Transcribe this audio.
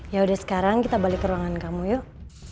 yaudah sekarang kita balik ke ruangan kamu yuk